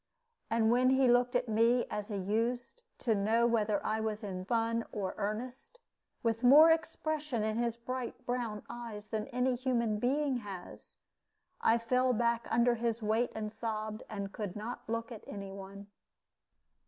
And when he looked at me as he used, to know whether I was in fun or earnest, with more expression in his bright brown eyes than any human being has, I fell back under his weight and sobbed, and could not look at any one.